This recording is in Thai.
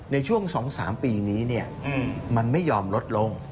ในช่วง๒๓ปีนี้มันไม่ยอมลดลง